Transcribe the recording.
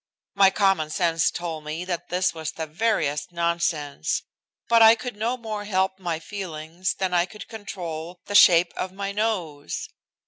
My common sense told me that this was the veriest nonsense. But I could no more help my feelings than I could control the shape of my nose.